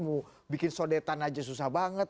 mau bikin sodetan aja susah banget